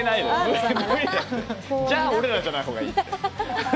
じゃあ俺らじゃない方がいいって。